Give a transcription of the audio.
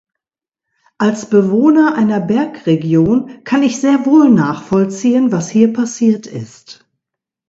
Als Bewohner einer Bergregion kann ich sehr wohl nachvollziehen, was hier passiert ist.